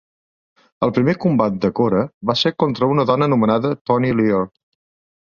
El primer combat de Cora va ser contra una dona anomenada Toni Lear.